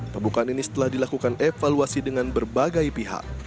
pembukaan ini setelah dilakukan evaluasi dengan berbagai pihak